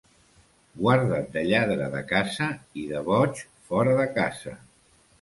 Guarda't de lladre de casa i de boig fora de casa.